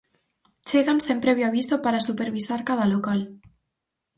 Chegan sen previo aviso para supervisar cada local.